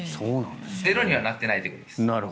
ゼロにはなってないということです。